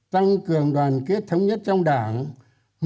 tăng cường đoàn kết thống nhất trong đảng